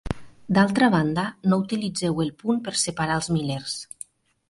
D'altra banda no utilitzeu el punt per separar els milers.